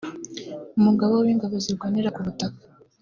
Umugaba w’Ingabo zirwanira ku butaka